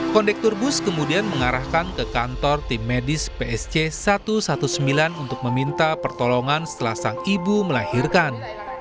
kondektur bus kemudian mengarahkan ke kantor tim medis psc satu ratus sembilan belas untuk meminta pertolongan setelah sang ibu melahirkan